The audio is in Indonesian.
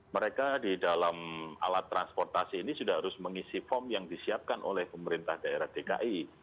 mereka di dalam alat transportasi ini sudah harus mengisi form yang disiapkan oleh pemerintah daerah dki